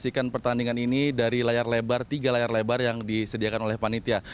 menyaksikan pertandingan ini dari layar lebar tiga layar lebar yang disediakan oleh panitia